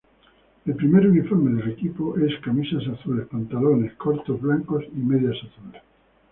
El primer uniforme del equipo es camisas azules, pantalones cortos blancos y medias azules.